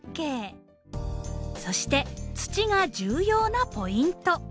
そして土が重要なポイント。